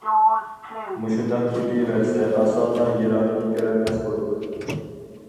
مۇشۇنداق كېتىۋەرسە، ئاسانلا يىراقنى كۆرەلمەس بولىدۇ.